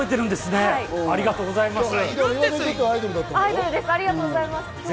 ありがとうございます。